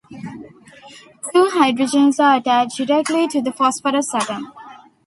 Two hydrogens are attached directly to the phosphorus atom.